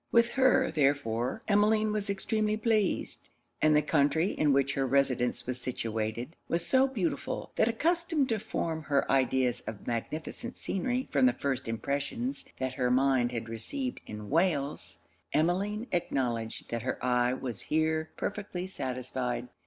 With her, therefore, Emmeline was extremely pleased; and the country in which her residence was situated, was so beautiful, that accustomed to form her ideas of magnificent scenery from the first impressions that her mind had received in Wales, Emmeline acknowledged that her eye was here perfectly satisfied.